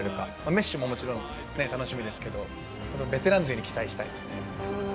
メッシももちろん楽しみですけどベテラン勢に期待したいですね。